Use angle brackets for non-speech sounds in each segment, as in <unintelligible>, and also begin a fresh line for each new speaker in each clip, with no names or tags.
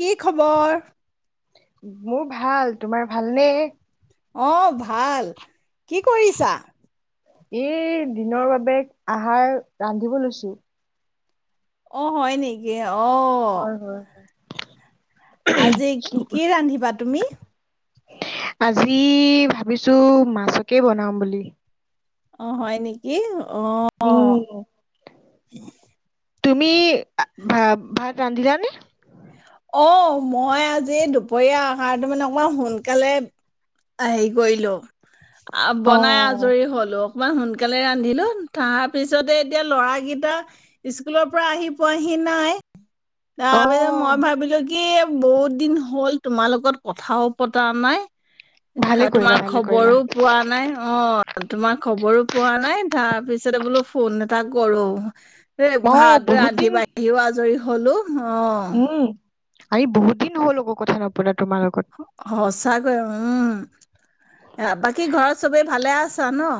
কি খবৰ?
মোৰ ভাল, তোমাৰ ভাল নে?
অ' ভাল, কি কৰিছা?
এই দিনৰ বাবে আহাৰ ৰান্ধিব লৈছো।
অ' হয় নেকি? অ'
হয়, হয়, হয়।
আজি কি কি ৰান্ধিবা তুমি?
আজি ভাবিছো, মাছকে বনাম বুলি।
অ', হয় নেকি? অ'
উম,,,
<inaudible>
তুমি ভা, ভাত ৰান্ধিলানে?
অ', মই আজি দুপৰীয়া আহাৰটো মানে অকমান সোনকালে হেই কৰিলোঁ। আ
অ
বনাই আজৰি হ'লোঁ। কমান সোনকালে ৰান্ধিলোঁ, তাৰ পিছতে এতিয়া ল'ৰাকিটা স্কুলৰ পৰা আহি পোৱাহি নাই
অ
তাপিছত মই ভাৱ বিলো‌ কি বহুত দিন হ'ল তোমাৰ লগত কথাও পতা নাই
ভালে কৰিলা
তোমাৰ
ভালে কৰিলা
খবৰো পোৱা নাই, অ', তোমাৰ খবৰো পোৱা নাই তাৰ পিছতে বোলো ফোন এটা কৰোঁ এ,
অ
ভাত
বহুত
ৰান্ধি
দিন
বাঢ়িও আজৰি হ'লো অ'
উম আমি বহুত দিন হ'ল আকৌ কথা নপতা, তোমাৰ লগত
সচাকৈ উম বাকী ঘৰত চবেই ভালে আছা ন?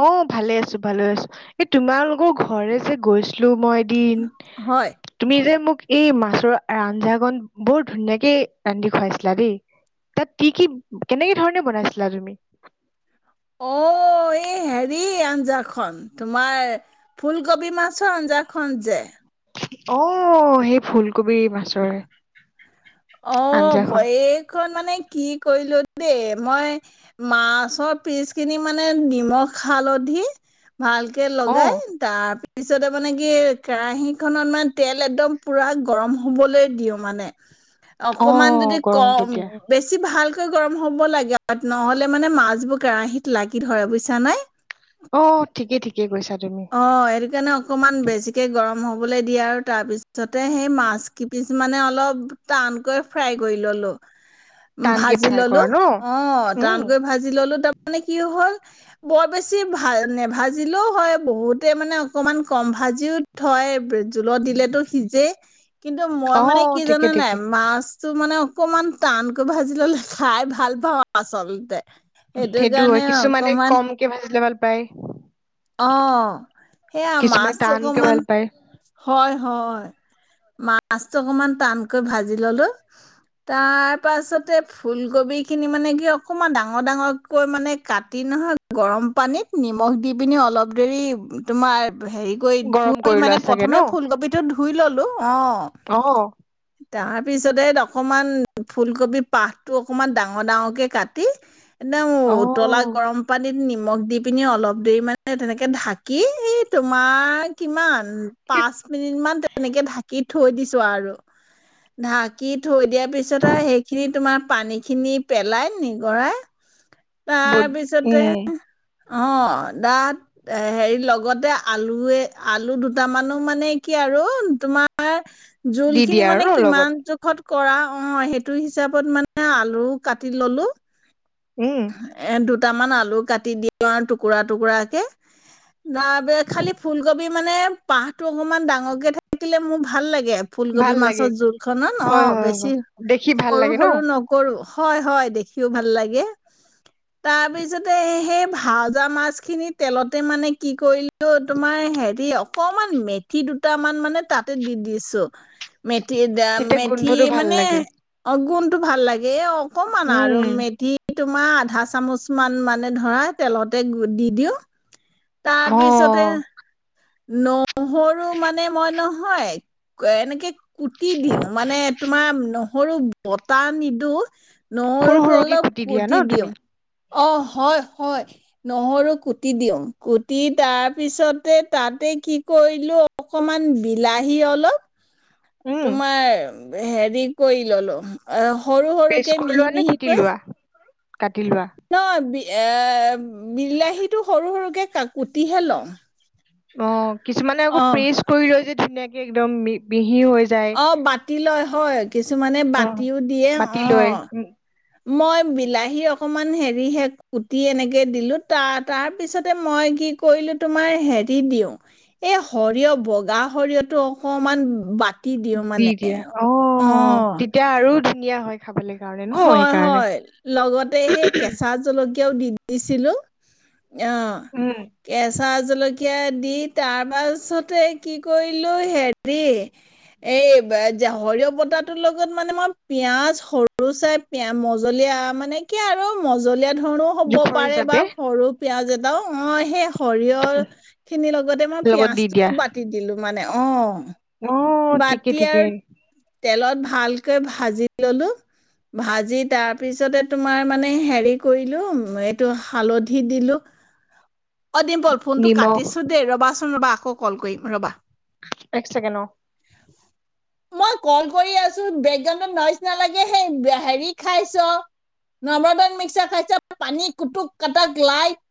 অ ভালে আছো ভালে আছো। এই তোমালোকৰ ঘৰে যে গৈছিলো মই দিন
হয়
তুমি যে মোক এই মাছৰ আঞ্জাকণ বৰ ধুনীয়াকে ৰান্ধি খুৱাইছিলা দেই তাত কি কি কেনেকে ধৰণে বনাইছিলা তুমি?
অ' এই হেৰি আঞ্জাখন তোমাৰ ফুলকবি মাছৰ আঞ্জাখন যে?
অ সেই ফুলকবি মাছৰে,
অ বক মানে কি কৰিলো দেই মই মাছৰ পিচ খিনি মানে নিমখ হালধি, ভালকে
অ
লগাই তাৰপিছ তাৰপিছতে মানে কি কেৰাহিখনত মানে তেল একদম পুৰা গৰম হবলৈ দিওঁ মানে
অ
অকমান যদি
গৰম হ'ব
কম
দিয়া
বেছি ভাল, গৰম হ'ব লাগ নহ'লে মানে মাছবোৰ কেৰাহীত লাগি ধৰে বুইছা নে,
অ' ঠিকে ঠিকে কৈছা, তুমি
অ' সেইটো কাৰণে অকমান বেছিকে গৰম হ'বলৈ দিয়ে আৰু তাৰ পিছতে সেই মাছ কিপিচ মানে অলপ টানকৈ ফ্ৰাই কৰি ললো,
টানকে
ভাজি
ফ্ৰাই
ললো
কৰা ন
অ
উম
টান গৈ ভাজি ললো তাৰমানে কি হ'ল, বৰ বেছি ভাল নেভাজিলেও হয়। বহুতে মানে অকমান কম ভাজিও থয়। জোলত দিলেতো সিজেই কিন্তু মই
অ
মানে কি
ঠিকে
জানা নাই
ঠিকে
মাছটো মানে, অকমান টানকৈ ভাজি ললে খাই ভাল পাওঁ আচলতে,
সেইটো হয়
কাৰণে
কিছুমানে
অকমান
কমকে ভাজিলে ভাল। পাই,
অ সেইয়া মাছ
টানকে
অকমান
ভাল পায়
হয় হয়। মাছ অকনমান টানকৈ ভাজি ললো তাৰ পাছতে ফুলকবি খিনি মানে কি অকমান ডাঙৰ ডাঙৰকৈ মানে কাটি নহয় গৰম পানীত নিমখ দি, পিনি অলপ দেৰি তোমাৰ হেৰি কৰি
গৰম
ধুই
কৰি
মানে
লোৱা চাগে ন
প্ৰথমে ফুলকবিটো ধুই ললো অ
অ
তাৰ, পিছতে অকমান, ফুলকবি পাহটো অকমান ডাঙ-ডাঙকে কাটি নেও
অ
উতলা গৰম পানীত নি মখ দি পিনি অলপ দে মানে তেনেকে ঢাকি, এই তোমাৰ কিমান ও,
কি
পাঁচ মিনিট মান তেনেকে ঢাকি থৈ দিছো আৰু। ঢাকি থৈ দিয়াৰ পিছত আৰু সেইখিনি তোমাৰ পানী খিনি পেলাই নিগৰাই তাৰ
ব-
পিছতে
উম
অঁ। তাত এ হেৰি লগতে আলুৱে, আলু দুটামানো মানে কি আৰু তোমাৰ জোল
দি
খিনি
দিয়া আৰু
মানে
ন
কিমান
লগত
জোখত কৰা অ' সেইটো হিচাপত মানে আলু কাটি ল'লো
উম
এ দুট দুটামান আলু কাটি দিম আৰু টুকুৰাত টুকুৰাকে <unintelligible> বাহটো অকমান ডাঙৰকে থাকিলে মোৰ ভাল লাগে। কে ফুলকবি
ভাল লাগে
মাছৰ জোলখনত
হয়
অঁ
হয়
বেছি,
হয় দেখি ভাল
সৰু
লাগে
-
ন
সৰু নকৰোঁ। হয় হয়, দেখিও ভাল লাগে। ‌তাৰপিছতে সেই ভাজা মাছ খিনি তেলতে মানে কি কৰিলে এইটো তোমাৰ হেৰি অ'। অকমান মেথি দুটামান মানে তাতে দি দিছোঁ। মেথ তি দাম
তেতিয়া
মেথি
গোন্ধটো ভাল
মানে,
লাগে
অগুণ টো ভাল লাগে অ আকণমান আৰু
উম
মেধি তোমাৰ আধা চামুচ মান মানে ধৰা তেলতে গুদি দিওঁ। তাৰ
অ
পিছতে নহৰু মানে মই নহয়, এনেকে কুটি দিওঁ মানে তোমাৰ। নহৰু বতা নিদো।
সৰু
নহৰুটো
সৰুকে
অলপ
দিয়া ন
কুটি দিওঁ।
তুমি
অহ হয়, হয়। নহৰু কুটি দিওঁ। কুটি তাৰপিছতে তাতে কি কৰিলোঁ, অকণমান বিলাহী অলপ
উম
তোমাৰ হেৰি কৰি ললো আৰু, সৰু
পেষ্ট
সৰুকে
কৰি
মিহি
লোৱা নে কুটি
মিহিকৈ
লোৱা কাটি লোৱা,
ন বি- এ বিলাহীটো সৰু সৰুকে, <unintelligible> কুৰ্টীহে লও।
অ'। কিছুমানে আকৌ প্ৰেচ কৰি লয় যে ধুনীয়াকে একদম <unintelligible> যায়
অ' বাতি লয় হয় কিছুমানে
অ
বাতিও দিয়ে
বাতি লৈ
অ'। মই বিলাহী অকমান হেৰিহে কুটি এনেকে দিলো তাৰ তাৰপিছতে মই কি কৰিলো তোমাৰ হেৰি দিও এই সৰিয় বগা সৰিয়টো অকমান বাট
দি দিয়া অ' তেতিয়া আৰু ধুনীয়া হয়। খাবলৈ কাৰণে ন
হয়
সেইকাৰণে
হয় লগতে সেই কেচা জলকীয়া কিয়াও দি দিছিলো। অ'
উম
কেচা কেচা জলকীয়া দি তাৰপাছতে কি কৰিলো হেৰি এই সৰিয়হ বতাহটোৰ লগত মানে মই পিয়াজ সৰু চাই পিয় মজলীয়া মানে কি আৰু মজলীয়া ধৰণো হ'ব
জোখৰ
পাৰে বা
হিচাপে
সৰু পিয়াজ এটা অ' সেই সৰিয়হ খিনিৰ লগতে মই
লগত দি দিয়া
পিয়াজটো বাতি দিলো মানে অ'।
অ' ঠিকেই
বাতি আৰু
ঠিকেই।
তেলত ভালকৈ ভাঁজি ললোঁ ভাঁজি তাৰ পিছতে তোমাৰ মানে হেৰি কৰিলোঁ, এইটো হালধি দিলো অ' দিম্পল, ফোনটো
নিমখ
কাটিছো দেই, ৰ'বাচ ৰবা আকৌ কল কৰিম ৰ'বা
এক চেকেণ্ড, অ'
মই কল কৰি আছোঁ, বেকগ্ৰাউণ্ডত নইজ নালাগে, সেই হেৰি খাইছ, নৰ্মদন মিক্সাৰ খাইছ, পানী কুটুক কাটাক লাইট